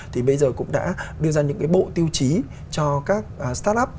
thì bây giờ cũng đã đưa ra những cái bộ tiêu chí cho các start up